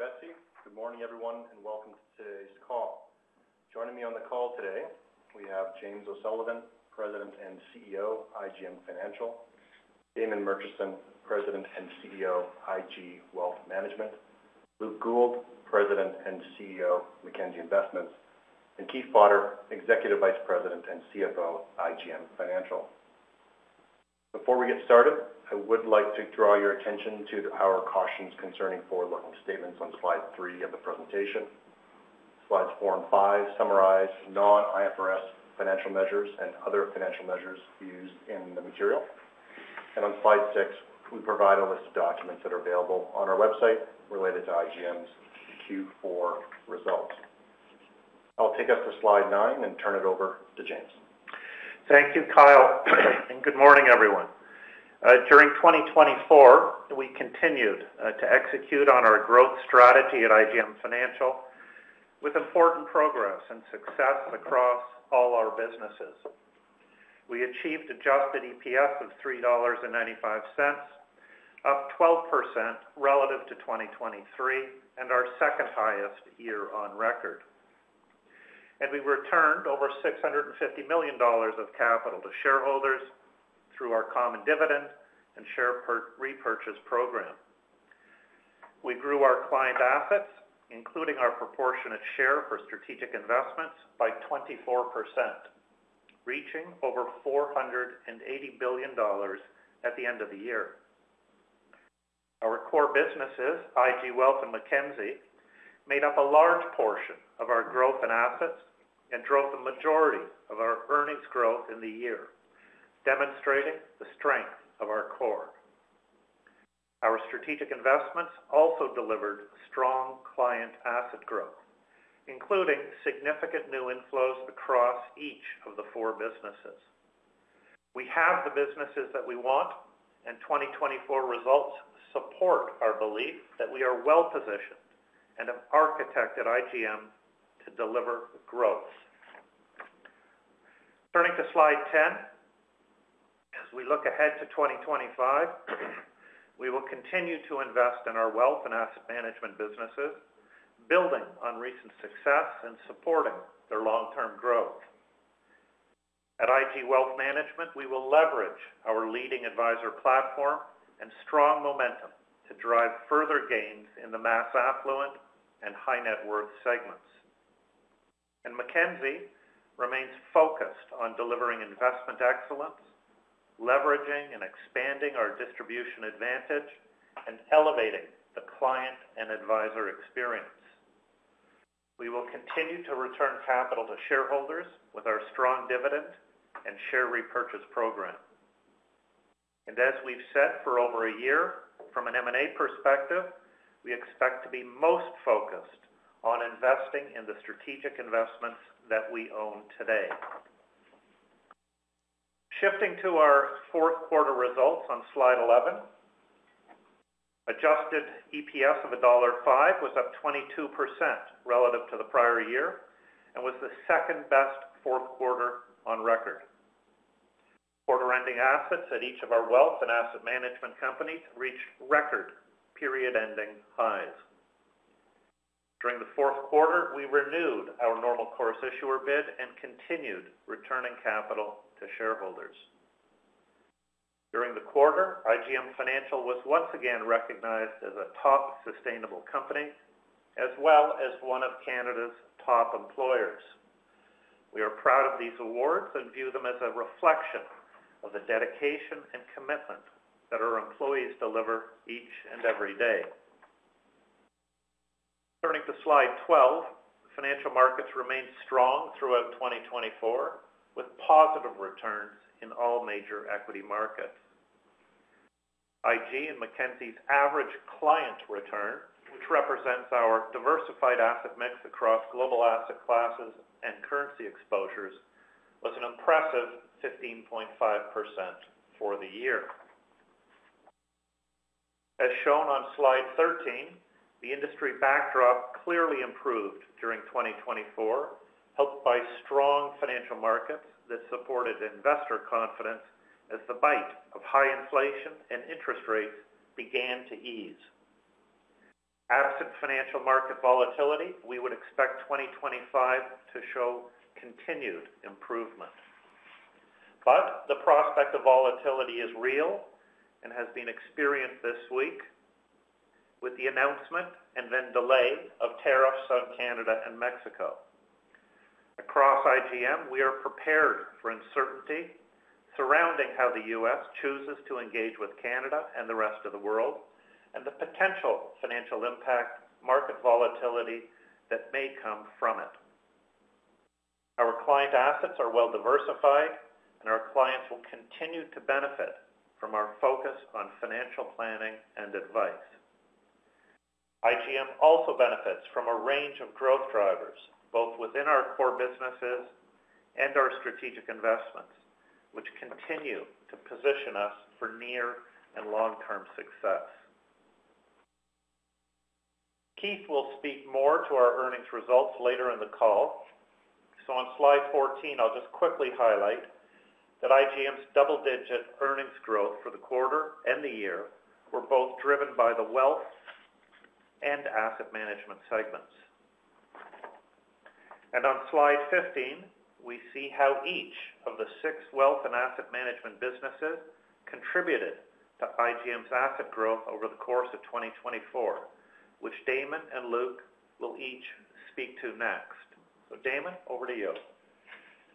Thank you, Betsy. Good morning, everyone, and welcome to today's call. Joining me on the call today, we have James O'Sullivan, President and CEO, IGM Financial; Damon Murchison, President and CEO, IG Wealth Management; Luke Gould, President and CEO, Mackenzie Investments; and Keith Potter, Executive Vice President and CFO, IGM Financial. Before we get started, I would like to draw your attention to our cautions concerning forward-looking statements on slide three of the presentation. Slides four and five summarize non-IFRS financial measures and other financial measures used in the material. On slide six, we provide a list of documents that are available on our website related to IGM's Q4 results. I'll take us to slide nine and turn it over to James. Thank you, Kyle, and good morning, everyone. During 2024, we continued to execute on our growth strategy at IGM Financial with important progress and success across all our businesses. We achieved adjusted EPS of 3.95 dollars up 12% relative to 2023, and our second highest year on record, and we returned over 650 million dollars of capital to shareholders through our common dividend and share repurchase program. We grew our client assets, including our proportionate share for strategic investments, by 24%, reaching over 480 billion dollars at the end of the year. Our core businesses, IG Wealth and Mackenzie, made up a large portion of our growth in assets and drove the majority of our earnings growth in the year, demonstrating the strength of our core. Our strategic investments also delivered strong client asset growth, including significant new inflows across each of the four businesses. We have the businesses that we want, and 2024 results support our belief that we are well-positioned and have architected IGM to deliver growth. Turning to slide 10, as we look ahead to 2025, we will continue to invest in our wealth and asset management businesses, building on recent success and supporting their long-term growth. At IG Wealth Management, we will leverage our leading advisor platform and strong momentum to drive further gains in the mass affluent and high-net-worth segments. And Mackenzie remains focused on delivering investment excellence, leveraging and expanding our distribution advantage, and elevating the client and advisor experience. We will continue to return capital to shareholders with our strong dividend and share repurchase program. And as we've said for over a year, from an M&A perspective, we expect to be most focused on investing in the strategic investments that we own today. Shifting to our fourth quarter results on slide 11, Adjusted EPS of dollar 1.05 was up 22% relative to the prior year and was the second-best fourth quarter on record. Quarter-ending assets at each of our wealth and asset management companies reached record period-ending highs. During the fourth quarter, we renewed our Normal Course Issuer Bid and continued returning capital to shareholders. During the quarter, IGM Financial was once again recognized as a top sustainable company, as well as one of Canada's top employers. We are proud of these awards and view them as a reflection of the dedication and commitment that our employees deliver each and every day. Turning to slide 12, financial markets remained strong throughout 2024, with positive returns in all major equity markets. IG and Mackenzie's average client return, which represents our diversified asset mix across global asset classes and currency exposures, was an impressive 15.5% for the year. As shown on slide 13, the industry backdrop clearly improved during 2024, helped by strong financial markets that supported investor confidence as the bite of high inflation and interest rates began to ease. Absent financial market volatility, we would expect 2025 to show continued improvement. But the prospect of volatility is real and has been experienced this week with the announcement and then delay of tariffs on Canada and Mexico. Across IGM, we are prepared for uncertainty surrounding how the U.S. chooses to engage with Canada and the rest of the world and the potential financial impact, market volatility that may come from it. Our client assets are well-diversified, and our clients will continue to benefit from our focus on financial planning and advice. IGM also benefits from a range of growth drivers, both within our core businesses and our strategic investments. Which continue to position us for near and long-term success. Keith will speak more to our earnings results later in the call. So on slide 14, I'll just quickly highlight that IGM's double-digit earnings growth for the quarter and the year were both driven by the wealth and asset management segments. And on slide 15, we see how each of the six wealth and asset management businesses contributed to IGM's asset growth over the course of 2024, which Damon and Luke will each speak to next. So Damon, over to you.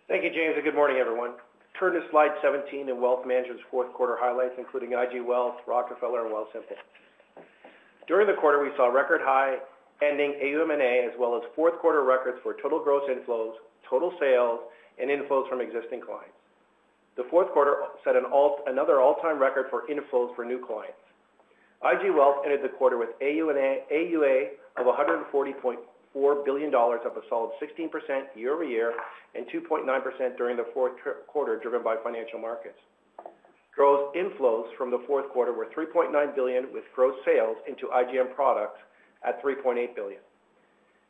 Thank you, James, and good morning, everyone. Turn to slide 17 in Wealth Management's fourth quarter highlights, including IG Wealth, Rockefeller, and Wealthsimple. During the quarter, we saw record high ending AUM and AUA, as well as fourth quarter records for total gross inflows, total sales, and inflows from existing clients. The fourth quarter set another all-time record for inflows for new clients. IG Wealth ended the quarter with AUA of 140.4 billion dollars, up a solid 16% year-over-year and 2.9% during the fourth quarter, driven by financial markets. Gross inflows from the fourth quarter were 3.9 billion, with gross sales into IGM products at 3.8 billion.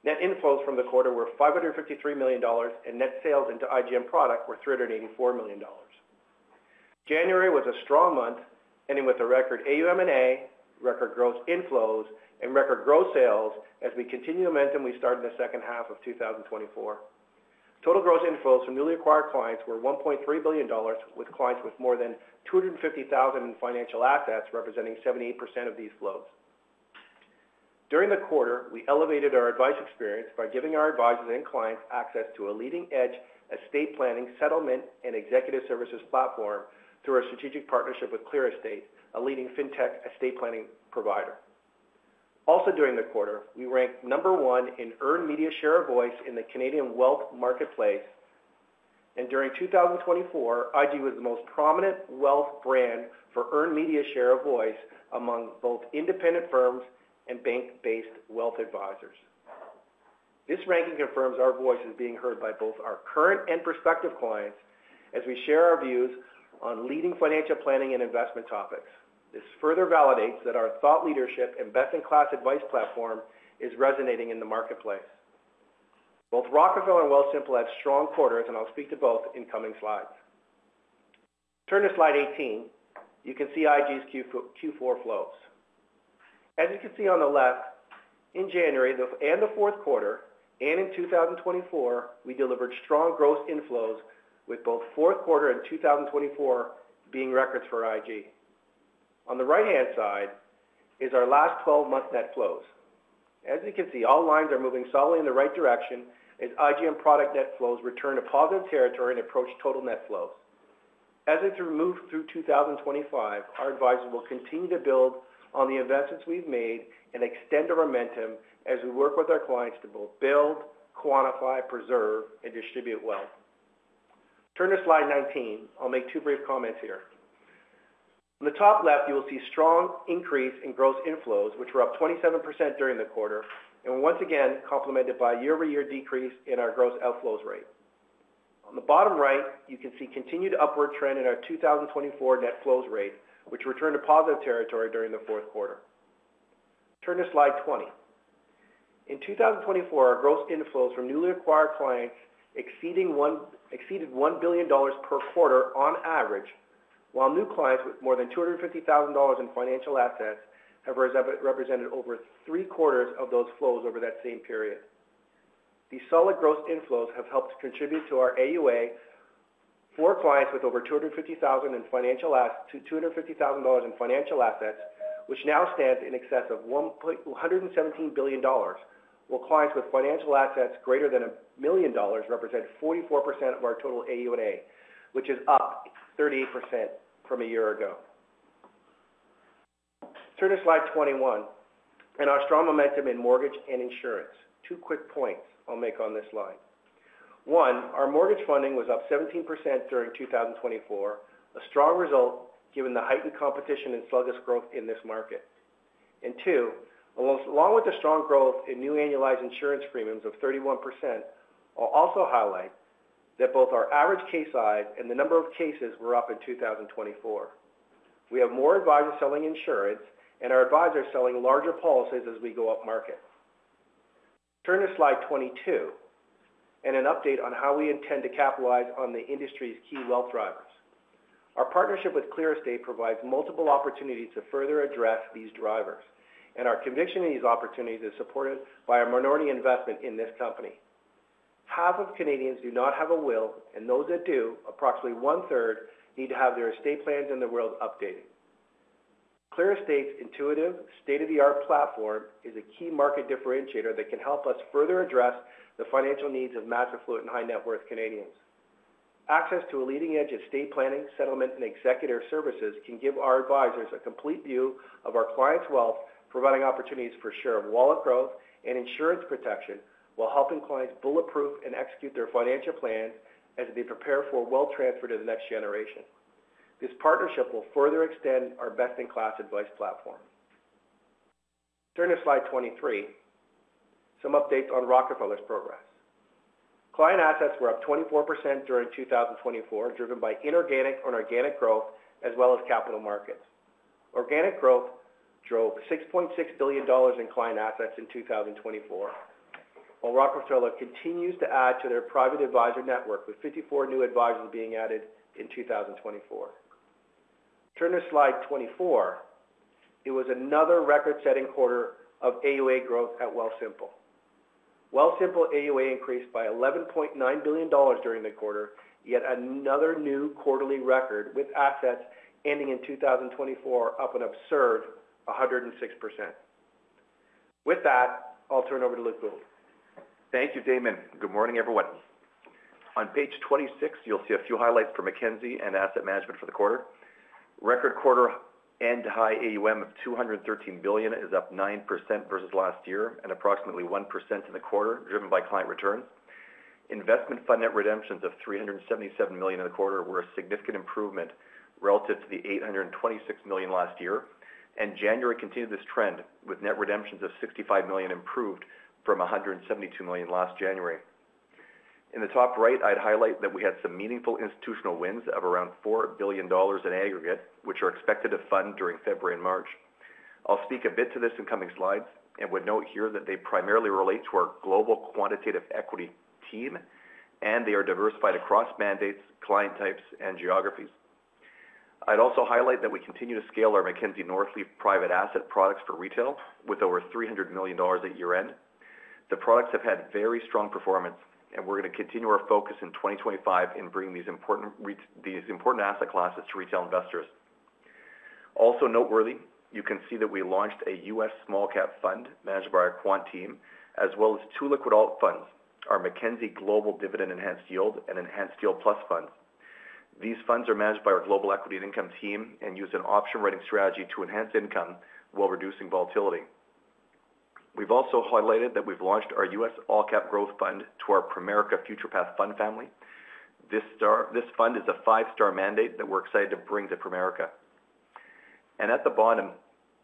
Net inflows from the quarter were 553 million dollars, and net sales into IGM product were 384 million dollars. January was a strong month, ending with a record AUM and AUA, record gross inflows, and record gross sales as we continued momentum we started in the second half of 2024. Total gross inflows from newly acquired clients were 1.3 billion dollars, with clients with more than 250,000 in financial assets representing 78% of these flows. During the quarter, we elevated our advice experience by giving our advisors and clients access to a leading-edge estate planning, settlement, and executive services platform through our strategic partnership with ClearEstate, a leading fintech estate planning provider. Also during the quarter, we ranked number one in earned media share of voice in the Canadian wealth marketplace. During 2024, IG was the most prominent wealth brand for earned media share of voice among both independent firms and bank-based wealth advisors. This ranking confirms our voice is being heard by both our current and prospective clients as we share our views on leading financial planning and investment topics. This further validates that our thought leadership and best-in-class advice platform is resonating in the marketplace. Both Rockefeller and Wealthsimple had strong quarters, and I'll speak to both in coming slides. Turn to slide 18. You can see IG's Q4 flows. As you can see on the left, in January and the fourth quarter, and in 2024, we delivered strong gross inflows, with both fourth quarter and 2024 being records for IG. On the right-hand side is our last 12-month net flows. As you can see, all lines are moving solidly in the right direction as IGM product net flows returned to positive territory and approached total net flows. As we move through 2025, our advisors will continue to build on the investments we've made and extend our momentum as we work with our clients to both build, quantify, preserve, and distribute wealth. Turn to slide 19. I'll make two brief comments here. On the top left, you will see a strong increase in gross inflows, which were up 27% during the quarter, and once again complemented by a year-over-year decrease in our gross outflows rate. On the bottom right, you can see a continued upward trend in our 2024 net flows rate, which returned to positive territory during the fourth quarter. Turn to slide 20. In 2024, our gross inflows from newly acquired clients exceeded 1 billion dollars per quarter on average, while new clients with more than 250,000 dollars in financial assets have represented over three-quarters of those flows over that same period. These solid gross inflows have helped contribute to our AUA for clients with over 250,000 in financial assets, which now stands in excess of 117 billion dollars, while clients with financial assets greater than 1 million dollars represent 44% of our total AUA, which is up 38% from a year ago. Turn to slide 21, and our strong momentum in mortgage and insurance. Two quick points I'll make on this slide. One, our mortgage funding was up 17% during 2024, a strong result given the heightened competition and sluggish growth in this market. And two, along with the strong growth in new annualized insurance premiums of 31%, I'll also highlight that both our average case size and the number of cases were up in 2024. We have more advisors selling insurance, and our advisors selling larger policies as we go up market. Turn to slide 22 and an update on how we intend to capitalize on the industry's key wealth drivers. Our partnership with ClearEstate provides multiple opportunities to further address these drivers, and our conviction in these opportunities is supported by our minority investment in this company. Half of Canadians do not have a will, and those that do, approximately one-third, need to have their estate plans and the will updated. ClearEstate's intuitive, state-of-the-art platform is a key market differentiator that can help us further address the financial needs of mass affluent and high-net-worth Canadians. Access to a leading-edge estate planning, settlement, and execution services can give our advisors a complete view of our clients' wealth, providing opportunities for share of wallet growth and insurance protection while helping clients bulletproof and execute their financial plans as they prepare for wealth transfer to the next generation. This partnership will further extend our best-in-class advice platform. Turn to slide 23. Some updates on Rockefeller's progress. Client assets were up 24% during 2024, driven by inorganic and organic growth, as well as capital markets. Organic growth drove 6.6 billion dollars in client assets in 2024, while Rockefeller continues to add to their private advisor network, with 54 new advisors being added in 2024. Turn to slide 24. It was another record-setting quarter of AUA growth at Wealthsimple. Wealthsimple AUA increased by 11.9 billion dollars during the quarter, yet another new quarterly record, with assets ending in 2024 up an absurd 106%. With that, I'll turn over to Luke Gould. Thank you, Damon. Good morning, everyone. On page 26, you'll see a few highlights for Mackenzie and asset management for the quarter. Record quarter-end high AUM of 213 billion is up 9% versus last year and approximately 1% in the quarter, driven by client returns. Investment fund net redemptions of 377 million in the quarter were a significant improvement relative to the 826 million last year. And January continued this trend, with net redemptions of 65 million improved from 172 million last January. In the top right, I'd highlight that we had some meaningful institutional wins of around 4 billion dollars in aggregate, which are expected to fund during February and March. I'll speak a bit to this in coming slides and would note here that they primarily relate to our Global Quantitative Equity Team, and they are diversified across mandates, client types, and geographies. I'd also highlight that we continue to scale our Mackenzie Northleaf private asset products for retail with over 300 million dollars at year-end. The products have had very strong performance, and we're going to continue our focus in 2025 in bringing these important asset classes to retail investors. Also noteworthy, you can see that we launched a U.S. Small Cap Fund managed by our Quant team, as well as two liquid funds, our Mackenzie Global Dividend Enhanced Yield and Enhanced Yield Plus funds. These funds are managed by our Global Equity & Income team and use an option-writing strategy to enhance income while reducing volatility. We've also highlighted that we've launched our U.S. All Cap Growth Fund to our Primerica FuturePath Fund family. This fund is a five-star mandate that we're excited to bring to Primerica. At the bottom,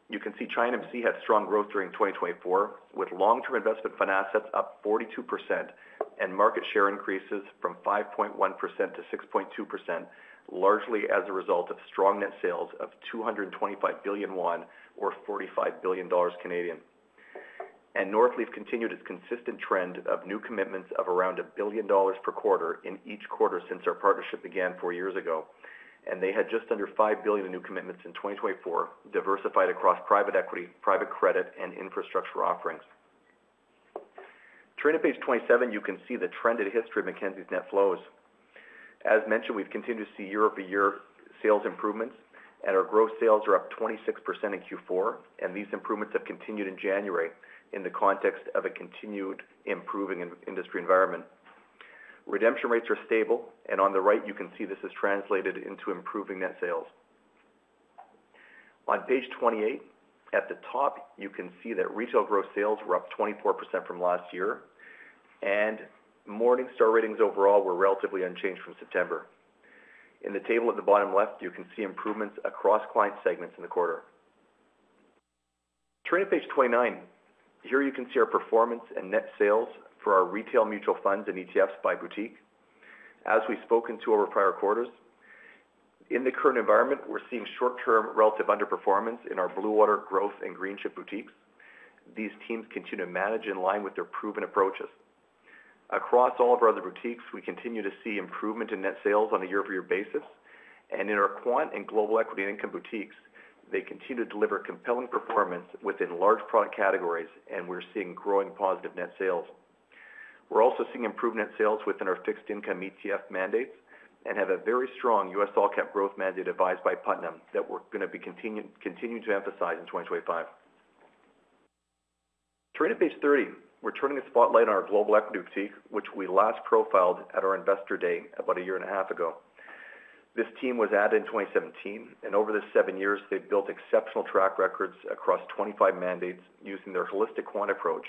you can see ChinaAMC had strong growth during 2024, with long-term investment fund assets up 42% and market share increases from 5.1% to 6.2%, largely as a result of strong net sales of CNY 225 billion, or 45 billion Canadian dollars. And Northleaf continued its consistent trend of new commitments of around 1 billion dollars per quarter in each quarter since our partnership began four years ago, and they had just under 5 billion in new commitments in 2024, diversified across private equity, private credit, and infrastructure offerings. Turning to page 27, you can see the trend in the history of Mackenzie's net flows. As mentioned, we've continued to see year-over-year sales improvements, and our gross sales are up 26% in Q4, and these improvements have continued in January in the context of a continued improving industry environment. Redemption rates are stable, and on the right, you can see this is translated into improving net sales. On page 28, at the top, you can see that retail gross sales were up 24% from last year, and Morningstar ratings overall were relatively unchanged from September. In the table at the bottom left, you can see improvements across client segments in the quarter. Turning to page 29, here you can see our performance and net sales for our retail mutual funds and ETFs by boutique, as we've spoken to over prior quarters. In the current environment, we're seeing short-term relative underperformance in our Bluewater Growth and Greenchip boutiques. These teams continue to manage in line with their proven approaches. Across all of our other boutiques, we continue to see improvement in net sales on a year-over-year basis, and in our Quant and Global Equity and Income boutiques, they continue to deliver compelling performance within large product categories, and we're seeing growing positive net sales. We're also seeing improved net sales within our fixed income ETF mandates and have a very strong U.S. All Cap Growth mandate advised by Putnam that we're going to be continuing to emphasize in 2025. Turning to page 30, we're turning a spotlight on our Global Equity boutique, which we last profiled at our investor day about a year and a half ago. This team was added in 2017, and over the seven years, they've built exceptional track records across 25 mandates using their holistic Quant approach,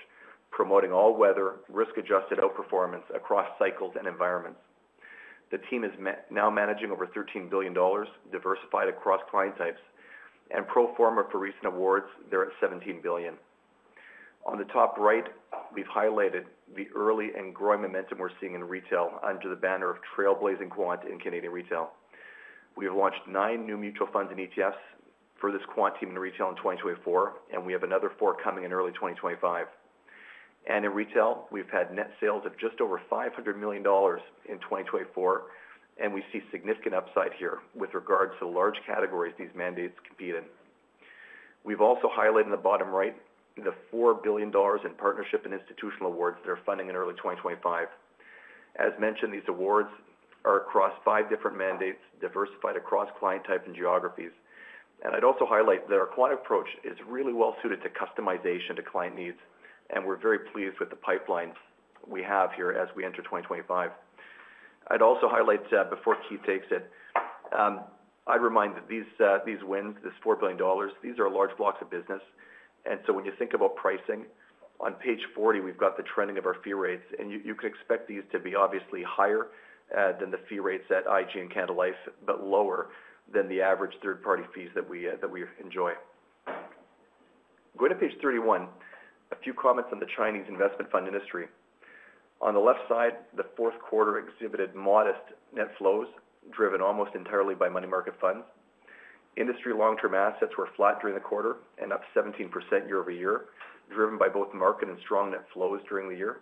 promoting all-weather, risk-adjusted outperformance across cycles and environments. The team is now managing over 13 billion dollars, diversified across client types, and pro forma for recent awards, they're at 17 billion. On the top right, we've highlighted the early and growing momentum we're seeing in retail under the banner of trailblazing Quant in Canadian retail. We've launched nine new mutual funds and ETFs for this Quant team in retail in 2024, and we have another four coming in early 2025. And in retail, we've had net sales of just over 500 million dollars in 2024, and we see significant upside here with regards to the large categories these mandates compete in. We've also highlighted in the bottom right the 4 billion dollars in partnership and institutional awards they're funding in early 2025. As mentioned, these awards are across five different mandates, diversified across client type and geographies. I'd also highlight that our Quant approach is really well-suited to customization to client needs, and we're very pleased with the pipelines we have here as we enter 2025. I'd also highlight before Keith takes it, I'd remind that these wins, this 4 billion dollars, these are large blocks of business. And so when you think about pricing, on page 40, we've got the trending of our fee rates, and you can expect these to be obviously higher than the fee rates at IG and Canada Life, but lower than the average third-party fees that we enjoy. Going to page 31, a few comments on the Chinese investment fund industry. On the left side, the fourth quarter exhibited modest net flows, driven almost entirely by money market funds. Industry long-term assets were flat during the quarter and up 17% year-over-year, driven by both market and strong net flows during the year.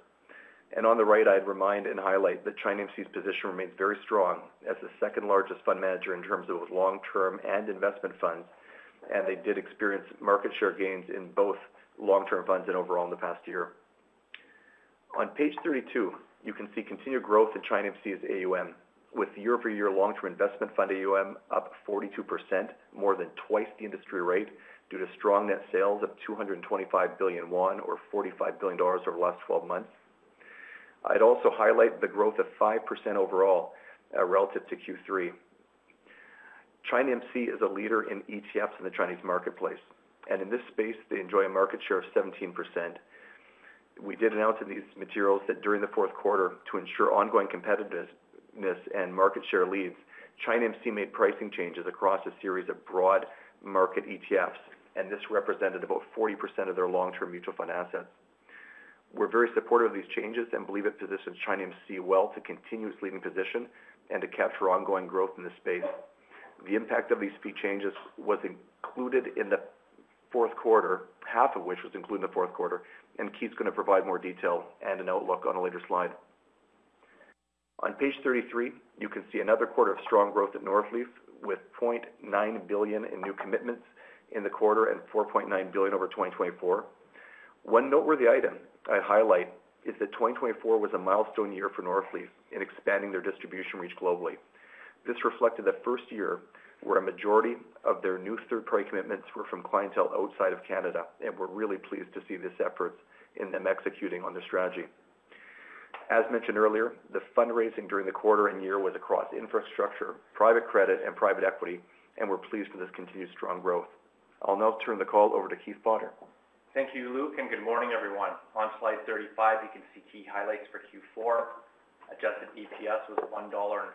On the right, I'd remind and highlight that ChinaAMC's position remains very strong as the second largest fund manager in terms of both long-term and investment funds, and they did experience market share gains in both long-term funds and overall in the past year. On page 32, you can see continued growth in ChinaAMC AUM, with year-over-year long-term investment fund AUM up 42%, more than twice the industry rate, due to strong net sales of CNY 225 billion, or CNY 45 billion over the last 12 months. I'd also highlight the growth of 5% overall relative to Q3. ChinaAMC is a leader in ETFs in the Chinese marketplace, and in this space, they enjoy a market share of 17%. We did announce in these materials that during the fourth quarter, to ensure ongoing competitiveness and market share leads, ChinaAMC made pricing changes across a series of broad market ETFs, and this represented about 40% of their long-term mutual fund assets. We're very supportive of these changes and believe it positions ChinaAMC well to continue its leading position and to capture ongoing growth in this space. The impact of these fee changes was included in the fourth quarter, half of which was included in the fourth quarter, and Keith's going to provide more detail and an outlook on a later slide. On page 33, you can see another quarter of strong growth at Northleaf, with 0.9 billion in new commitments in the quarter 4.9 billion over 2024. One noteworthy item I'd highlight is that 2024 was a milestone year for Northleaf in expanding their distribution reach globally. This reflected the first year where a majority of their new third-party commitments were from clientele outside of Canada, and we're really pleased to see these efforts in them executing on their strategy. As mentioned earlier, the fundraising during the quarter and year was across infrastructure, private credit, and private equity, and we're pleased for this continued strong growth. I'll now turn the call over to Keith Potter. Thank you, Luke, and good morning, everyone. On slide 35, you can see key highlights for Q4. Adjusted EPS was 1.05 dollar,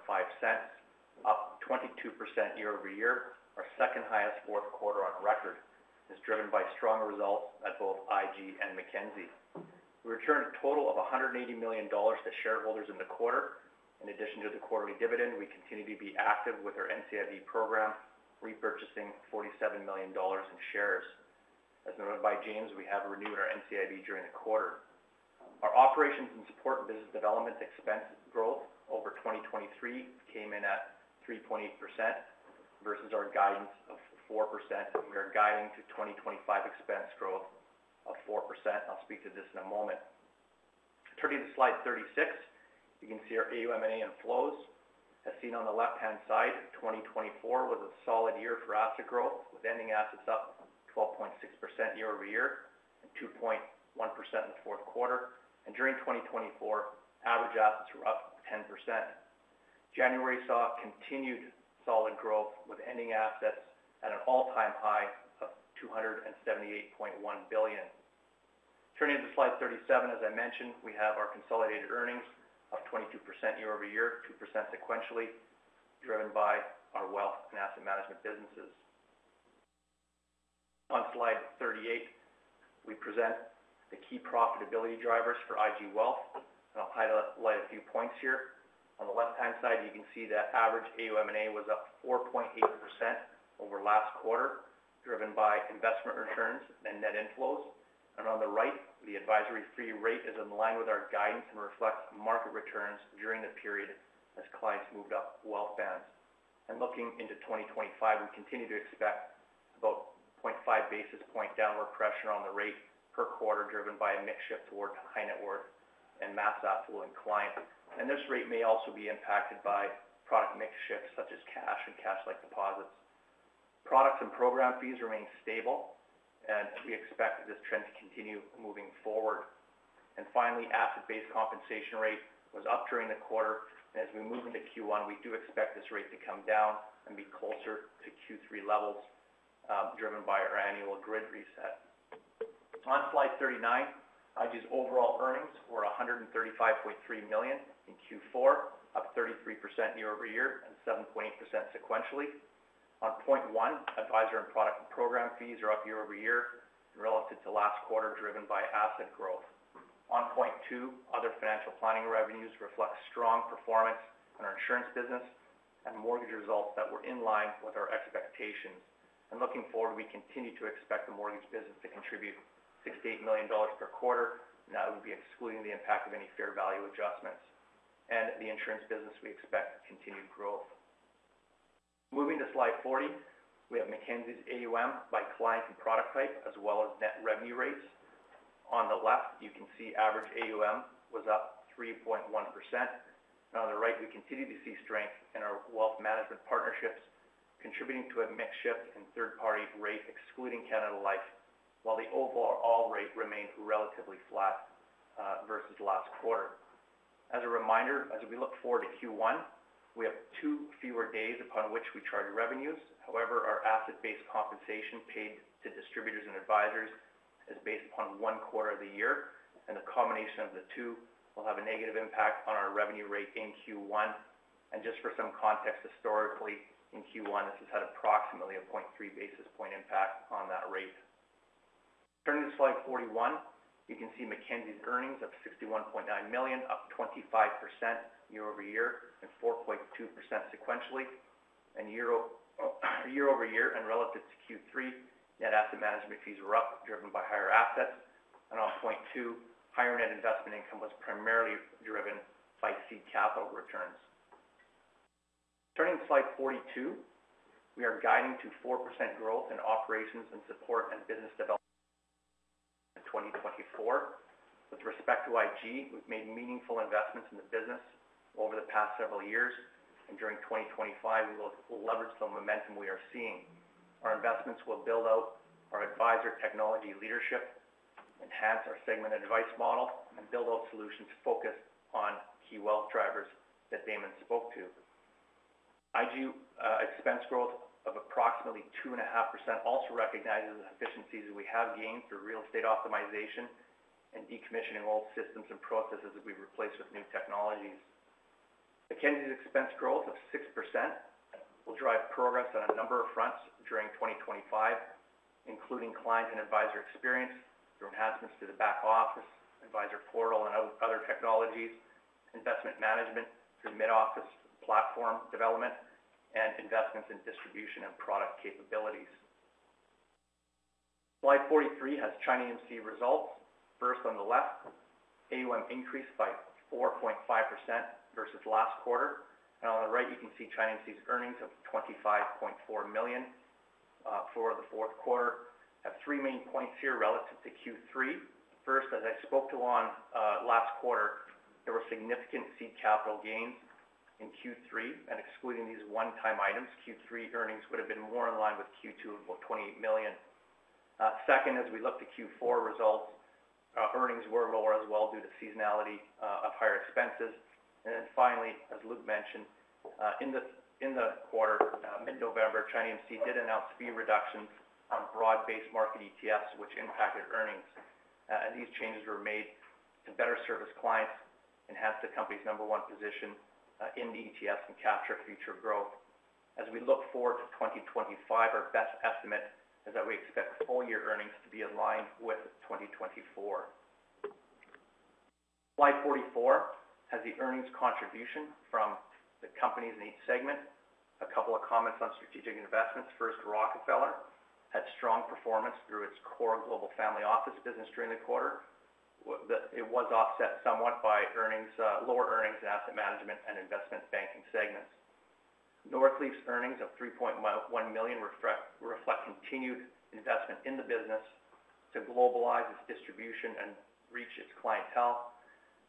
up 22% year-over-year, our second highest fourth quarter on record, and it's driven by strong results at both IG and Mackenzie. We returned a total of 180 million dollars to shareholders in the quarter. In addition to the quarterly dividend, we continue to be active with our NCIB program, repurchasing 47 million dollars in shares. As noted by James, we have renewed our NCIB during the quarter. Our operations and support business development expense growth over 2023 came in at 3.8% versus our guidance of 4%. We are guiding to 2025 expense growth of 4%. I'll speak to this in a moment. Turning to slide 36, you can see our AUM and AUA flows. As seen on the left-hand side, 2024 was a solid year for asset growth, with ending assets up 12.6% year-over-year, 2.1% in the fourth quarter, and during 2024, average assets were up 10%. January saw continued solid growth, with ending assets at an all-time high of 278.1 billion. Turning to slide 37, as I mentioned, we have our consolidated earnings of 22% year-over-year, 2% sequentially, driven by our wealth and asset management businesses. On slide 38, we present the key profitability drivers for IG Wealth, and I'll highlight a few points here. On the left-hand side, you can see that average AUM and AUA was up 4.8% over last quarter, driven by investment returns and net inflows. And on the right, the advisory fee rate is in line with our guidance and reflects market returns during the period as clients moved up wealth bands. Looking into 2025, we continue to expect about 0.5 basis point downward pressure on the rate per quarter, driven by a mix shift toward high-net-worth and mass affluent clients. This rate may also be impacted by product mix shifts such as cash and cash-like deposits. Products and program fees remain stable, and we expect this trend to continue moving forward. Finally, asset-based compensation rate was up during the quarter, and as we move into Q1, we do expect this rate to come down and be closer to Q3 levels, driven by our annual grid reset. On slide 39, IG's overall earnings were 135.3 million in Q4, up 33% year-over-year and 7.8% sequentially. On AUA, advisor and product program fees are up year-over-year relative to last quarter, driven by asset growth. On 0.2, other financial planning revenues reflect strong performance in our insurance business and mortgage results that were in line with our expectations. And looking forward, we continue to expect the mortgage business to contribute 68 million dollars per quarter, and that would be excluding the impact of any fair value adjustments. And the insurance business, we expect continued growth. Moving to slide 40, we have Mackenzie's AUM by client and product type, as well as net revenue rates. On the left, you can see average AUM was up 3.1%. And on the right, we continue to see strength in our wealth management partnerships, contributing to a mix shift in third-party rate, excluding Canada Life, while the overall rate remained relatively flat versus last quarter. As a reminder, as we look forward to Q1, we have two fewer days upon which we charge revenues. However, our asset-based compensation paid to distributors and advisors is based upon one quarter of the year, and the combination of the two will have a negative impact on our revenue rate in Q1. Just for some context, historically, in Q1, this has had approximately a 0.3 basis point impact on that rate. Turning to slide 41, you can see Mackenzie's earnings of 61.9 million, up 25% year-over-year and 4.2% sequentially. Year-over-year and relative to Q3, net asset management fees were up, driven by higher assets. Up 0.2%, higher net investment income was primarily driven by seed capital returns. Turning to slide 42, we are guiding to 4% growth in operations and support and business development in 2024. With respect to IG, we've made meaningful investments in the business over the past several years, and during 2025, we will leverage the momentum we are seeing. Our investments will build out our advisor technology leadership, enhance our segment advice model, and build out solutions focused on key wealth drivers that Damon spoke to. IG expense growth of approximately 2.5% also recognizes the efficiencies we have gained through real estate optimization and decommissioning old systems and processes that we've replaced with new technologies. Mackenzie's expense growth of 6% will drive progress on a number of fronts during 2025, including client and advisor experience through enhancements to the back office, advisor portal, and other technologies, investment management through mid-office platform development, and investments in distribution and product capabilities. Slide 43 has ChinaAMC results. First, on the left, AUM increased by 4.5% versus last quarter. And on the right, you can see ChinaAMC's earnings of 25.4 million for the fourth quarter. I have three main points here relative to Q3. First, as I spoke to on last quarter, there were significant seed capital gains in Q3, and excluding these one-time items, Q3 earnings would have been more in line with Q2 of about 28 million. Second, as we look to Q4 results, earnings were lower as well due to seasonality of higher expenses. And then finally, as Luke mentioned, in the quarter, mid-November, ChinaAMC did announce fee reductions on broad-based market ETFs, which impacted earnings. And these changes were made to better service clients, enhance the company's number one position in the ETFs, and capture future growth. As we look forward to 2025, our best estimate is that we expect full-year earnings to be aligned with 2024. Slide 44 has the earnings contribution from the companies in each segment. A couple of comments on strategic investments. First, Rockefeller had strong performance through its core global family office business during the quarter. It was offset somewhat by lower earnings in asset management and investment banking segments. Northleaf's earnings of 3.1 million reflect continued investment in the business to globalize its distribution and reach its clientele.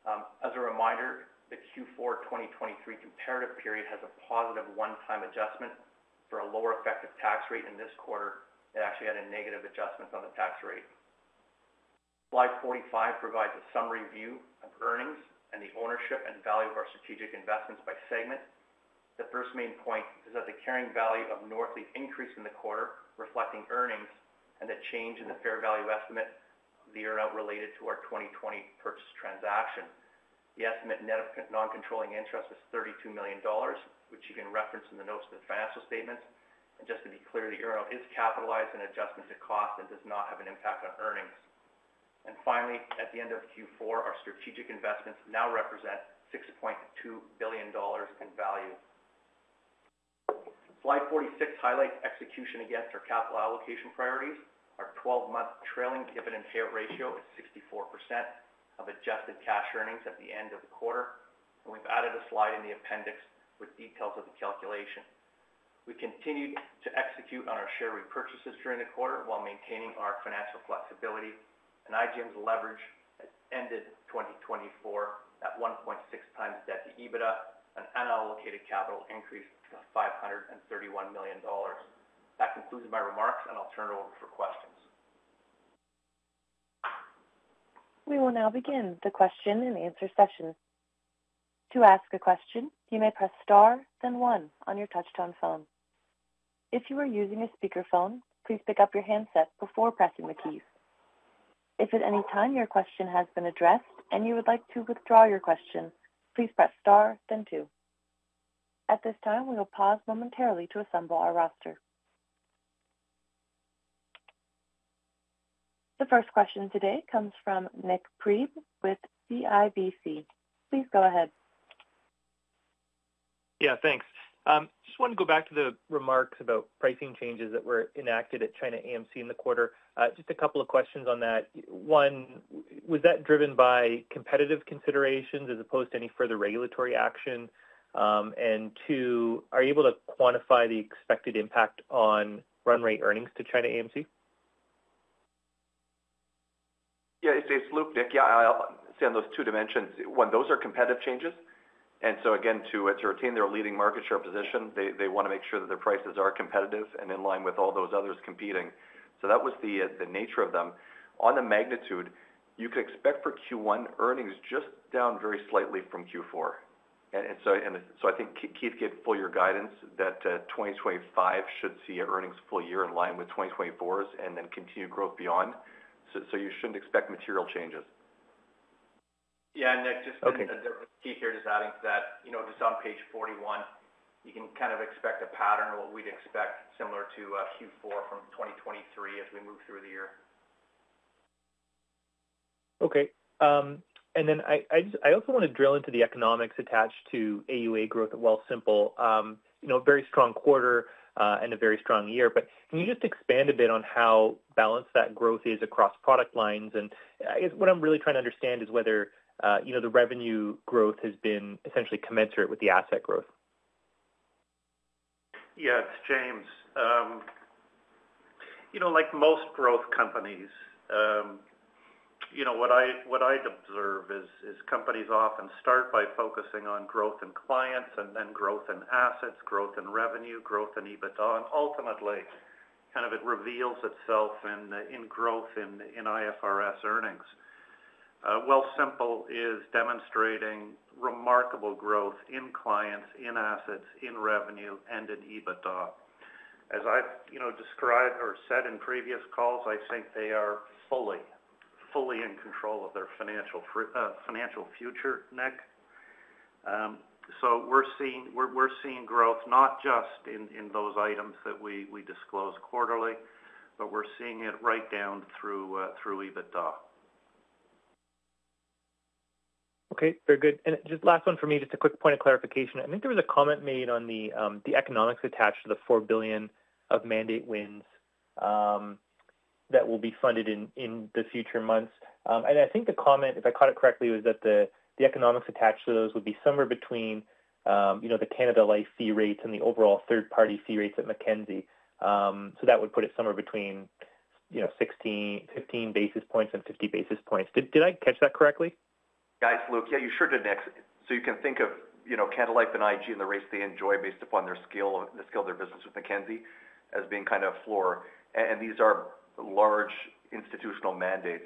As a reminder, the Q4 2023 comparative period has a positive one-time adjustment for a lower effective tax rate in this quarter. It actually had a negative adjustment on the tax rate. Slide 45 provides a summary view of earnings and the ownership and value of our strategic investments by segment. The first main point is that the carrying value of Northleaf increased in the quarter, reflecting earnings, and the change in the fair value estimate of the earnout related to our 2020 purchase transaction. The estimate net of non-controlling interest is 32 million dollars, which you can reference in the notes to the financial statements. And just to be clear, the earnout is capitalized in adjustment to cost and does not have an impact on earnings. And finally, at the end of Q4, our strategic investments now represent 6.2 billion dollars in value. Slide 46 highlights execution against our capital allocation priorities. Our 12-month trailing dividend payout ratio is 64% of adjusted cash earnings at the end of the quarter. And we've added a slide in the appendix with details of the calculation. We continued to execute on our share repurchases during the quarter while maintaining our financial flexibility. And IGM's leverage ended 2024 at 1.6 times debt to EBITDA and unallocated capital increased to 531 million dollars. That concludes my remarks, and I'll turn it over for questions. We will now begin the question and answer session. To ask a question, you may press star, then one on your touch-tone phone. If you are using a speakerphone, please pick up your handset before pressing the keys. If at any time your question has been addressed and you would like to withdraw your question, please press star, then two. At this time, we will pause momentarily to assemble our roster. The first question today comes from Nik Priebe with CIBC. Please go ahead. Yeah, thanks. Just wanted to go back to the remarks about pricing changes that were enacted at ChinaAMC in the quarter. Just a couple of questions on that. One, was that driven by competitive considerations as opposed to any further regulatory action? And two, are you able to quantify the expected impact on run rate earnings to ChinaAMC? Yeah, it's Luke, Nik. Yeah, I'll say on those two dimensions. One, those are competitive changes. And so again, to retain their leading market share position, they want to make sure that their prices are competitive and in line with all those others competing. So that was the nature of them. On the magnitude, you could expect for Q1 earnings just down very slightly from Q4. And so I think Keith gave full year guidance that 2025 should see earnings full year in line with 2024's and then continue growth beyond. So you shouldn't expect material changes. Yeah, Nik, just a different piece here just adding to that. Just on page 41, you can kind of expect a pattern of what we'd expect similar to Q4 from 2023 as we move through the year. Okay. And then I also want to drill into the economics attached to AUA growth at Wealthsimple. Very strong quarter and a very strong year. But can you just expand a bit on how balanced that growth is across product lines? And I guess what I'm really trying to understand is whether the revenue growth has been essentially commensurate with the asset growth. Yeah, it's James. Like most growth companies, what I observe is companies often start by focusing on growth in clients and then growth in assets, growth in revenue, growth in EBITDA, and ultimately, kind of it reveals itself in growth in IFRS earnings. Wealthsimple is demonstrating remarkable growth in clients, in assets, in revenue, and in EBITDA. As I've described or said in previous calls, I think they are fully, fully in control of their financial future, Nik. So we're seeing growth not just in those items that we disclose quarterly, but we're seeing it right down through EBITDA. Okay, very good. And just last one for me, just a quick point of clarification. I think there was a comment made on the economics attached to the 4 billion of mandate wins that will be funded in the future months. And I think the comment, if I caught it correctly, was that the economics attached to those would be somewhere between the Canada Life fee rates and the overall third-party fee rates at Mackenzie. So that would put it somewhere between 15 basis points and 50 basis points. Did I catch that correctly? Guys, Luke, yeah, you sure did. So you can think of Canada Life and IG and the rates they enjoy based upon the scale of their business with Mackenzie as being kind of a floor. And these are large institutional mandates.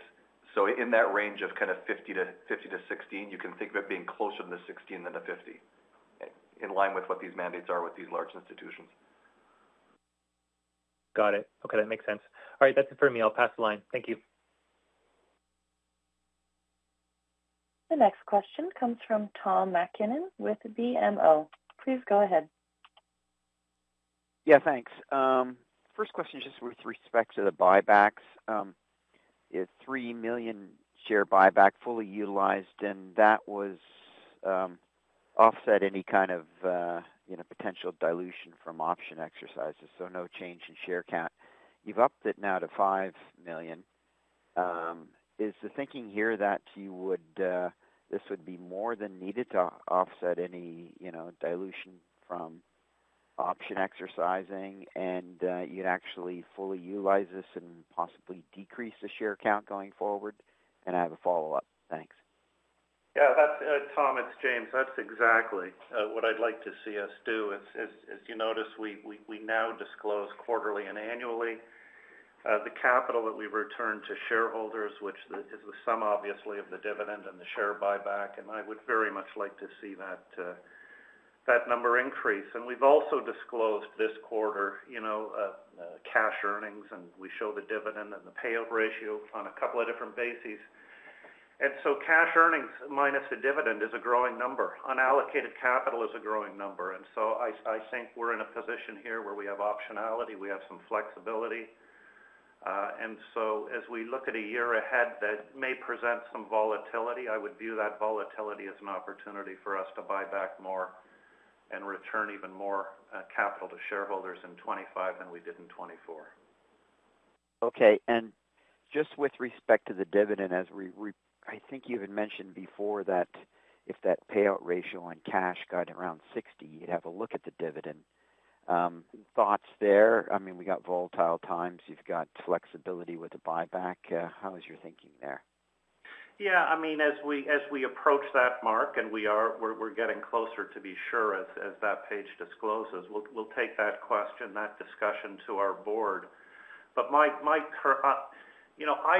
So in that range of kind of 50 to 16, you can think of it being closer to the 16 than to the 50 in line with what these mandates are with these large institutions. Got it. Okay, that makes sense. All right, that's it for me. I'll pass the line. Thank you. The next question comes from Tom MacKinnon with BMO. Please go ahead. Yeah, thanks. First question just with respect to the buybacks. It's 3 million share buyback fully utilized, and that was offset any kind of potential dilution from option exercises. So no change in share count. You've upped it now to 5 million. Is the thinking here that this would be more than needed to offset any dilution from option exercising, and you'd actually fully utilize this and possibly decrease the share count going forward? And I have a follow-up. Thanks. Yeah, that's Tom. It's James. That's exactly what I'd like to see us do. As you notice, we now disclose quarterly and annually the capital that we return to shareholders, which is the sum obviously of the dividend and the share buyback. And I would very much like to see that number increase. And we've also disclosed this quarter cash earnings, and we show the dividend and the payout ratio on a couple of different bases. And so cash earnings minus the dividend is a growing number. Unallocated capital is a growing number. And so I think we're in a position here where we have optionality. We have some flexibility. And so as we look at a year ahead that may present some volatility, I would view that volatility as an opportunity for us to buy back more and return even more capital to shareholders in 2025 than we did in 2024. Okay. And just with respect to the dividend, as I think you had mentioned before that if that payout ratio on cash got around 60, you'd have a look at the dividend. Thoughts there? I mean, we got volatile times. You've got flexibility with the buyback. How is your thinking there? Yeah. I mean, as we approach that mark, and we're getting closer to be sure as that page discloses, we'll take that question, that discussion to our board. But I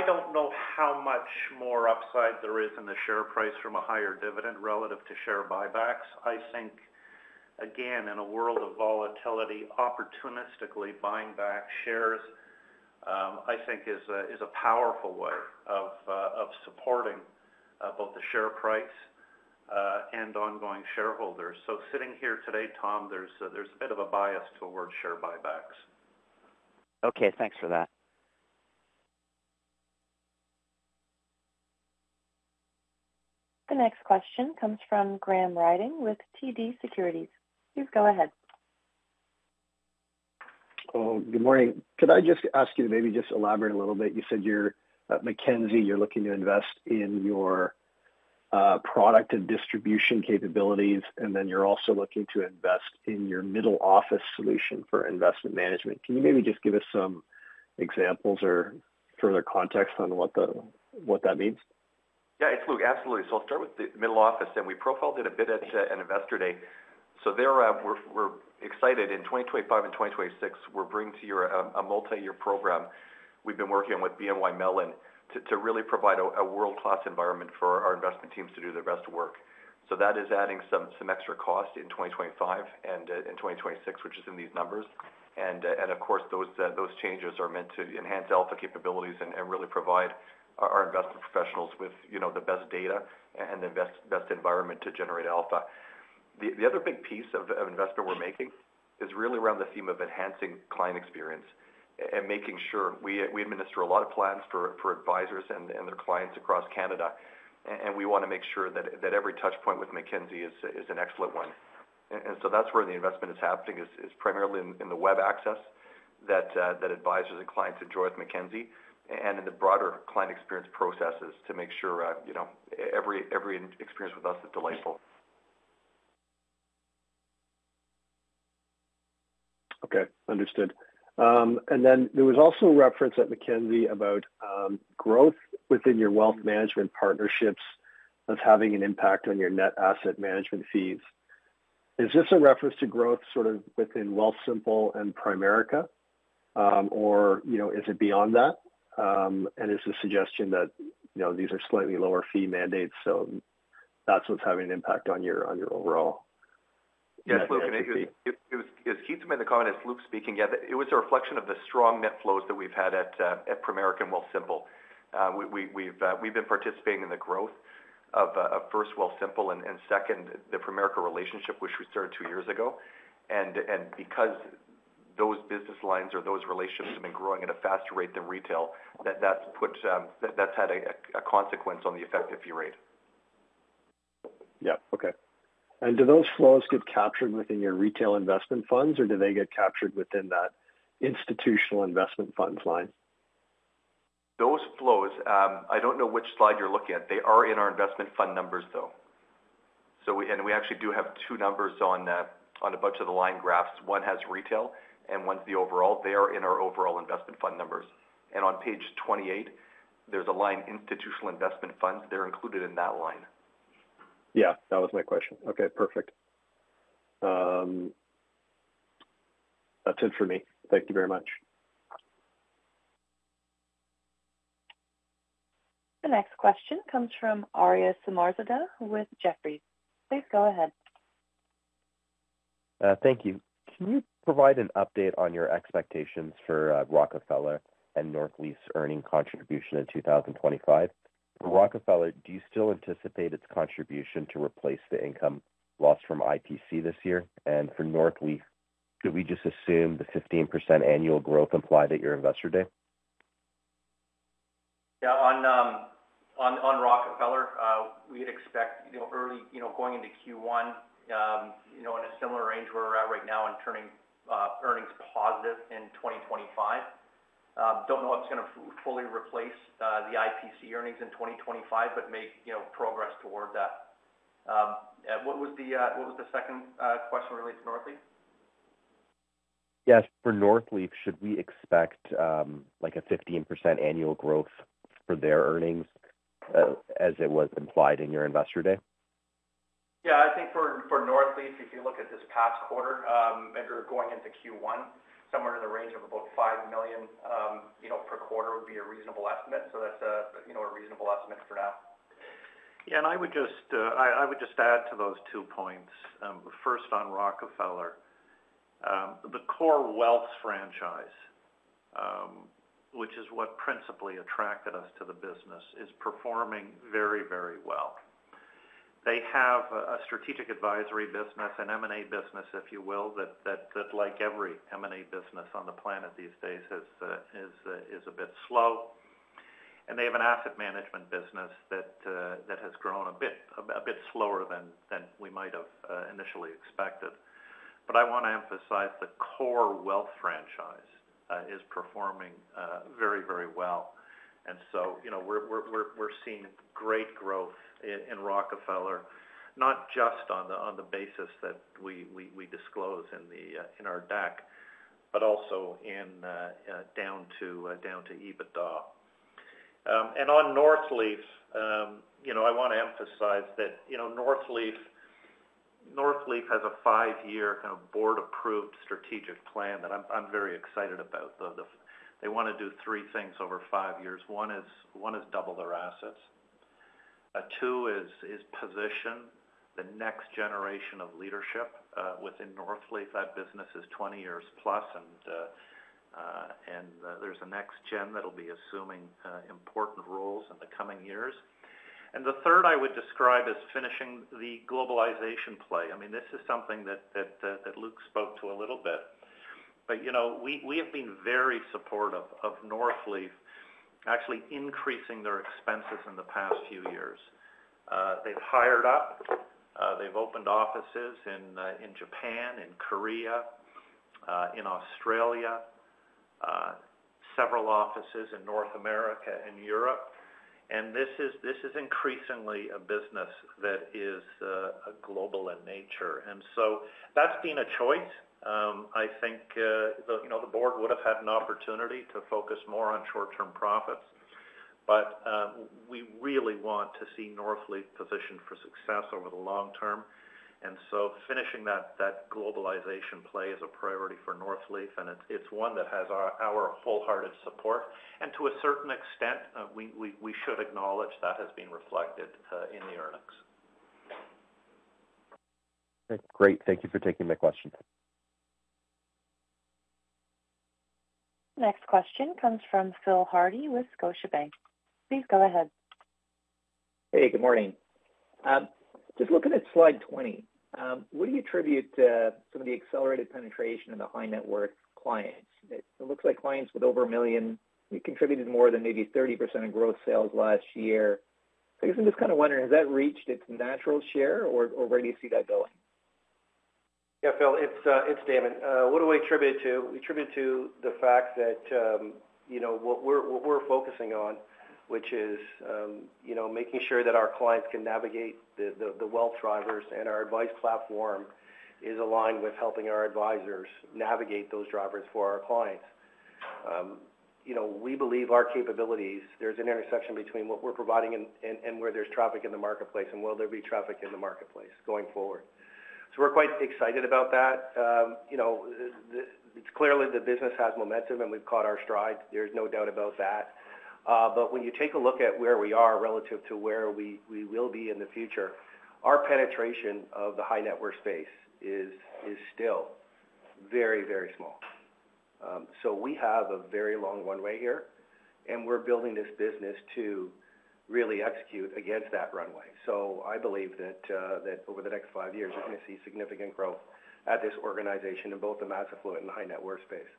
don't know how much more upside there is in the share price from a higher dividend relative to share buybacks. I think, again, in a world of volatility, opportunistically buying back shares, I think, is a powerful way of supporting both the share price and ongoing shareholders. So sitting here today, Tom, there's a bit of a bias towards share buybacks. Okay, thanks for that. The next question comes from Graham Ryding with TD Securities. Please go ahead. Good morning. Could I just ask you to maybe just elaborate a little bit? You said you're at Mackenzie, you're looking to invest in your product and distribution capabilities, and then you're also looking to invest in your middle office solution for investment management. Can you maybe just give us some examples or further context on what that means? Yeah, it's Luke. Absolutely. So I'll start with the middle office. And we profiled it a bit at Investor Day. So we're excited. In 2025 and 2026, we're bringing to you a multi-year program. We've been working with BNY Mellon to really provide a world-class environment for our investment teams to do the rest of the work. So that is adding some extra cost in 2025 and in 2026, which is in these numbers. And of course, those changes are meant to enhance alpha capabilities and really provide our investment professionals with the best data and the best environment to generate alpha. The other big piece of investment we're making is really around the theme of enhancing client experience and making sure we administer a lot of plans for advisors and their clients across Canada. And we want to make sure that every touchpoint with Mackenzie is an excellent one. And so that's where the investment is happening, is primarily in the web access that advisors and clients enjoy with Mackenzie, and in the broader client experience processes to make sure every experience with us is delightful. Okay, understood. And then there was also a reference at Mackenzie about growth within your wealth management partnerships that's having an impact on your net asset management fees. Is this a reference to growth sort of within Wealthsimple and Primerica, or is it beyond that? And is the suggestion that these are slightly lower fee mandates, so that's what's having an impact on your overall? Yes, Luke, it was Keith who made the comment. It's Luke speaking. Yeah, it was a reflection of the strong net flows that we've had at Primerica and Wealthsimple. We've been participating in the growth of first, Wealthsimple, and second, the Primerica relationship, which we started two years ago. And because those business lines or those relationships have been growing at a faster rate than retail, that's had a consequence on the effective fee rate. Yeah, okay. And do those flows get captured within your retail investment funds, or do they get captured within that institutional investment funds line? Those flows, I don't know which slide you're looking at. They are in our investment fund numbers, though. And we actually do have two numbers on a bunch of the line graphs. One has retail, and one's the overall. They are in our overall investment fund numbers. And on page 28, there's a line institutional investment funds. They're included in that line. Yeah, that was my question. Okay, perfect. That's it for me. Thank you very much. The next question comes from Aria Samarzadeh with Jefferies. Please go ahead. Thank you. Can you provide an update on your expectations for Rockefeller and Northleaf's earnings contribution in 2025? For Rockefeller, do you still anticipate its contribution to replace the income lost from IPC this year? And for Northleaf, could we just assume the 15% annual growth implied at your investor day? Yeah, on Rockefeller, we expect early going into Q1 in a similar range where we're at right now and turning earnings positive in 2025. Don't know if it's going to fully replace the IPC earnings in 2025, but make progress toward that. What was the second question related to Northleaf? Yes, for Northleaf, should we expect a 15% annual growth for their earnings as it was implied in your Investor Day? Yeah, I think for Northleaf, if you look at this past quarter and you're going into Q1, somewhere in the range of about 5 million per quarter would be a reasonable estimate, so that's a reasonable estimate for now. Yeah, and I would just add to those two points. First, on Rockefeller, the core wealth franchise, which is what principally attracted us to the business, is performing very, very well. They have a strategic advisory business, an M&A business, if you will, that like every M&A business on the planet these days is a bit slow. And they have an asset management business that has grown a bit slower than we might have initially expected. But I want to emphasize the core wealth franchise is performing very, very well. And so we're seeing great growth in Rockefeller, not just on the basis that we disclose in our deck, but also down to EBITDA. And on Northleaf, I want to emphasize that Northleaf has a five-year kind of board-approved strategic plan that I'm very excited about. They want to do three things over five years. One is double their assets. Two is position the next generation of leadership within Northleaf. That business is 20 years plus, and there's a next gen that'll be assuming important roles in the coming years, and the third I would describe as finishing the globalization play. I mean, this is something that Luke spoke to a little bit, but we have been very supportive of Northleaf actually increasing their expenses in the past few years. They've hired up. They've opened offices in Japan, in Korea, in Australia, several offices in North America and Europe, and this is increasingly a business that is global in nature, and so that's been a choice. I think the board would have had an opportunity to focus more on short-term profits, but we really want to see Northleaf positioned for success over the long term. Finishing that globalization play is a priority for Northleaf, and it's one that has our wholehearted support. To a certain extent, we should acknowledge that has been reflected in the earnings. Okay, great. Thank you for taking my question. The next question comes from Phil Hardie with Scotiabank. Please go ahead. Hey, good morning. Just looking at slide 20, what do you attribute to some of the accelerated penetration of the high-net-worth clients? It looks like clients with over 1 million. You contributed more than maybe 30% of growth sales last year. I guess I'm just kind of wondering, has that reached its natural share, or where do you see that going? Yeah, Phil, it's Damon. What do we attribute to? We attribute to the fact that what we're focusing on, which is making sure that our clients can navigate the wealth drivers, and our advice platform is aligned with helping our advisors navigate those drivers for our clients. We believe our capabilities. There's an intersection between what we're providing and where there's traffic in the marketplace and where there'll be traffic in the marketplace going forward. So we're quite excited about that. It's clearly the business has momentum, and we've caught our stride. There's no doubt about that. But when you take a look at where we are relative to where we will be in the future, our penetration of the high-net-worth space is still very, very small. So we have a very long runway here, and we're building this business to really execute against that runway. I believe that over the next five years, you're going to see significant growth at this organization in both the mass affluent and high-net-worth space.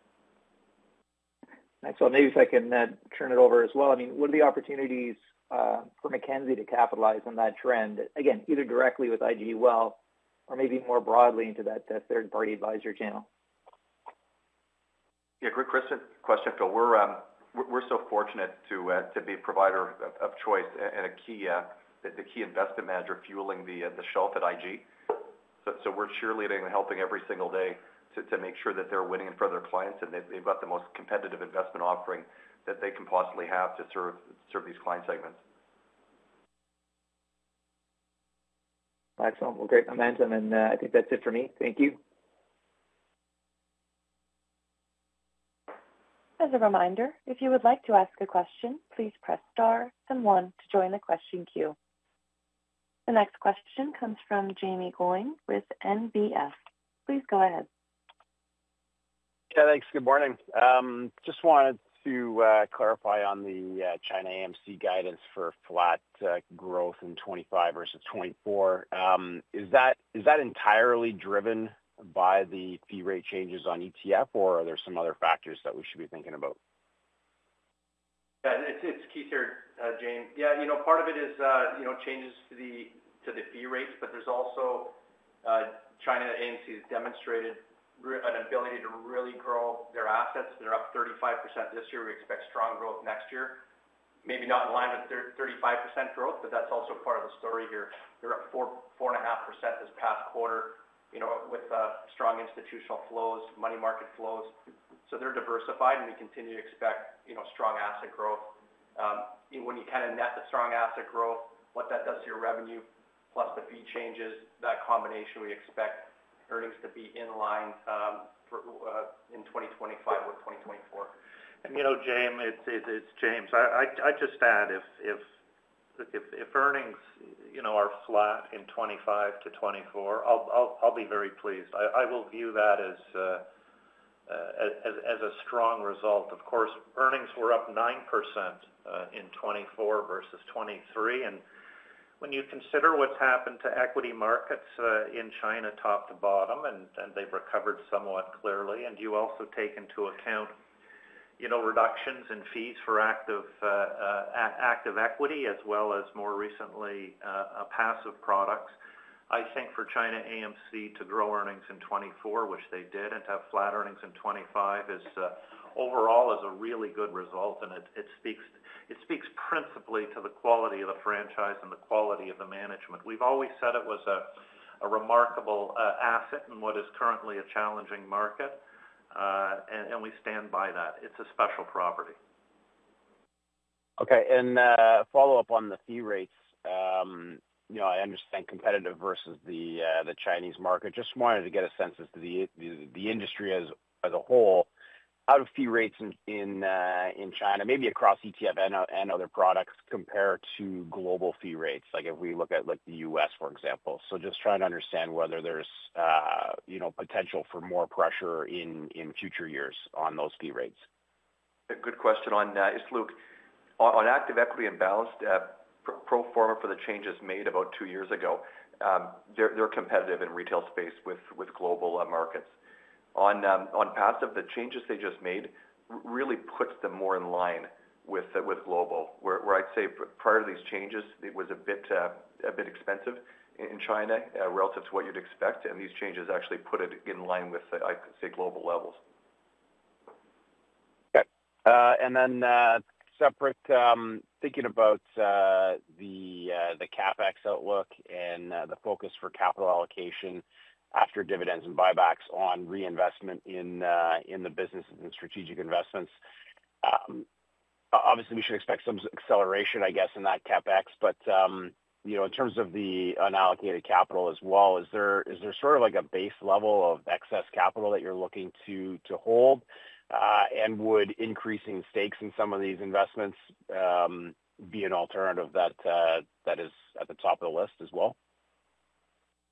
Excellent. Maybe if I can turn it over as well. I mean, what are the opportunities for Mackenzie to capitalize on that trend, again, either directly with IG Wealth or maybe more broadly into that third-party advisor channel? Yeah, great question. We're so fortunate to be a provider of choice and the key investment manager fueling the shelf at IG. So we're cheerleading and helping every single day to make sure that they're winning in front of their clients, and they've got the most competitive investment offering that they can possibly have to serve these client segments. Excellent. Well, great momentum. And I think that's it for me. Thank you. As a reminder, if you would like to ask a question, please press star and one to join the question queue. The next question comes from Jaeme Gloyn with NBF. Please go ahead. Yeah, thanks. Good morning. Just wanted to clarify on the ChinaAMC guidance for flat growth in 2025 versus 2024. Is that entirely driven by the fee rate changes on ETF, or are there some other factors that we should be thinking about? Yeah, it's Keith here, Jaeme. Yeah, part of it is changes to the fee rates, but there's also ChinaAMC has demonstrated an ability to really grow their assets. They're up 35% this year. We expect strong growth next year. Maybe not in line with 35% growth, but that's also part of the story here. They're up 4.5% this past quarter with strong institutional flows, money market flows. So they're diversified, and we continue to expect strong asset growth. When you kind of net the strong asset growth, what that does to your revenue plus the fee changes, that combination, we expect earnings to be in line in 2025 with 2024. Jaeme, it's James. I'd just add, if earnings are flat in 2025 to 2024, I'll be very pleased. I will view that as a strong result. Of course, earnings were up 9% in 2024 versus 2023. When you consider what's happened to equity markets in China top to bottom, and they've recovered somewhat clearly, and you also take into account reductions in fees for active equity as well as more recently passive products, I think for ChinaAMC to grow earnings in 2024, which they did, and to have flat earnings in 2025 overall is a really good result. It speaks principally to the quality of the franchise and the quality of the management. We've always said it was a remarkable asset in what is currently a challenging market, and we stand by that. It's a special property. Okay, and follow-up on the fee rates. I understand competitive versus the Chinese market. Just wanted to get a sense as to the industry as a whole. How do fee rates in China, maybe across ETF and other products, compare to global fee rates? If we look at the U.S., for example, so just trying to understand whether there's potential for more pressure in future years on those fee rates. A good question on that it's Luke, on active equity and balanced, pro forma for the changes made about two years ago, they're competitive in retail space with global markets. On passive, the changes they just made really puts them more in line with global. Where I'd say prior to these changes, it was a bit expensive in China relative to what you'd expect, and these changes actually put it in line with, I'd say, global levels. Okay. And then separately, thinking about the CapEx outlook and the focus for capital allocation after dividends and buybacks on reinvestment in the business and strategic investments. Obviously, we should expect some acceleration, I guess, in that CapEx. But in terms of the unallocated capital as well, is there sort of a base level of excess capital that you're looking to hold? And would increasing stakes in some of these investments be an alternative that is at the top of the list as well?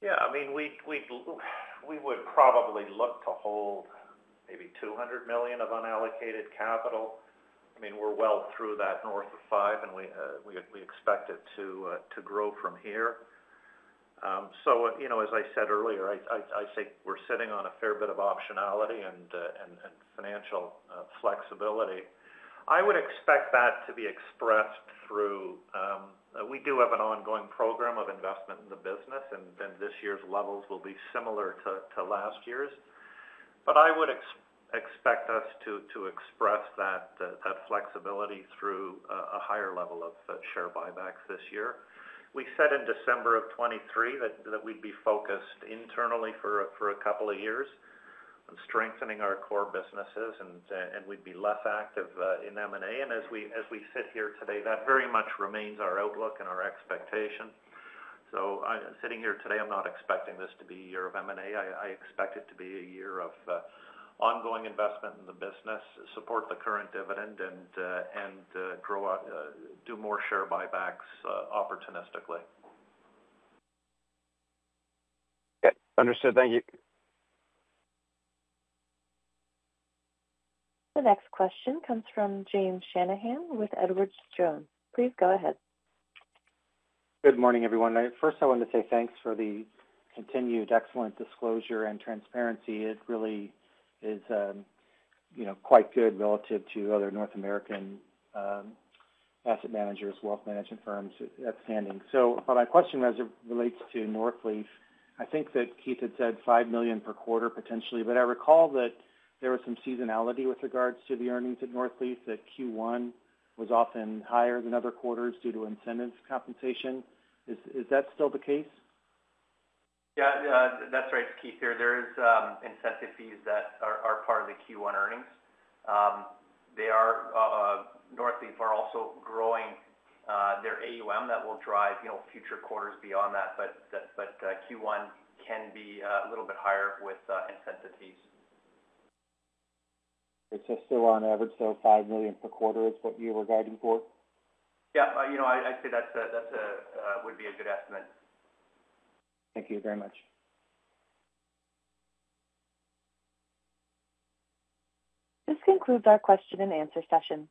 Yeah. I mean, we would probably look to hold maybe 200 million of unallocated capital. I mean, we're well through that north of five, and we expect it to grow from here. So as I said earlier, I think we're sitting on a fair bit of optionality and financial flexibility. I would expect that to be expressed through we do have an ongoing program of investment in the business, and this year's levels will be similar to last year's. But I would expect us to express that flexibility through a higher level of share buybacks this year. We said in December of 2023 that we'd be focused internally for a couple of years on strengthening our core businesses, and we'd be less active in M&A. And as we sit here today, that very much remains our outlook and our expectation. Sitting here today, I'm not expecting this to be a year of M&A. I expect it to be a year of ongoing investment in the business, support the current dividend, and do more share buybacks opportunistically. Okay. Understood. Thank you. The next question comes from James Shanahan with Edward Jones. Please go ahead. Good morning, everyone. First, I wanted to say thanks for the continued excellent disclosure and transparency. It really is quite good relative to other North American asset managers, wealth management firms. That's standing. So my question as it relates to Northleaf, I think that Keith had said 5 million per quarter potentially, but I recall that there was some seasonality with regards to the earnings at Northleaf. The Q1 was often higher than other quarters due to incentive compensation. Is that still the case? Yeah. That's right, Keith. There are incentive fees that are part of the Q1 earnings. Northleaf are also growing their AUM that will drive future quarters beyond that. But Q1 can be a little bit higher with incentive fees. It's still on average, so $5 million per quarter is what you were guiding for? Yeah. I'd say that would be a good estimate. Thank you very much. This concludes our question and answer session.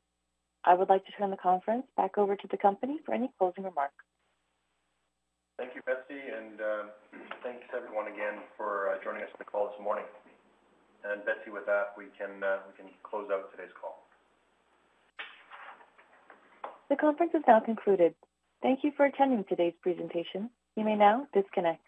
I would like to turn the conference back over to the company for any closing remarks. Thank you, Betsy. Thanks, everyone, again for joining us in the call this morning. Betsy, with that, we can close out today's call. The conference is now concluded. Thank you for attending today's presentation. You may now disconnect.